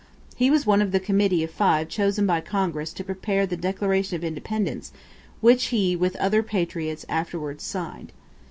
He was one of the committee of five chosen by Congress to prepare the "Declaration of Independence" which he with other patriots afterwards signed.